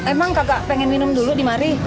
emang kakak pengen minum dulu di mari